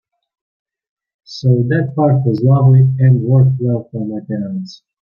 So that part was lovely and worked well for my parents.